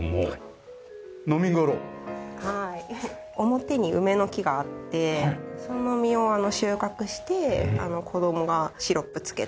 表に梅の木があってその実を収穫して子供がシロップ漬けたりとか。